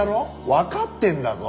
わかってんだぞ。